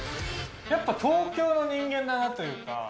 やっぱ東京の人間だなというか。